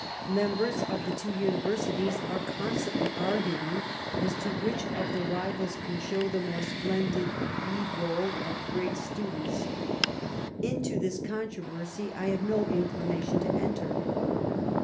Members of the two uni versities are constantly arguing as to which of the rivals can show the more splendid beadroU of great students. Into this controversy I have no inclination to enter.